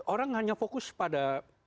orang hanya fokus pada